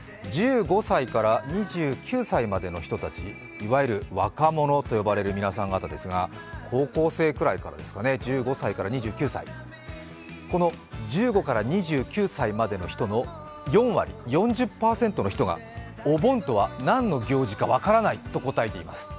１５歳から２９歳までの人たち、いわゆる若者と呼ばれる皆様方ですが、高校生くらいから１５歳から２９歳、この１５から２９歳までの人の４割、４０％の人がお盆とは何の行事か分からないと答えています。